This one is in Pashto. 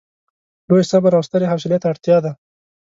لوی صبر او سترې حوصلې ته اړتیا ده.